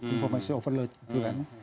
informasi overload gitu kan